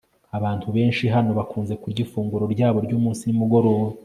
Abantu benshi hano bakunze kurya ifunguro ryabo ryumunsi nimugoroba